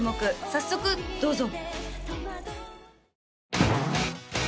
早速どうぞ！